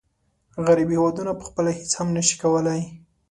غریب هېوادونه پخپله هیڅ هم نشي کولای.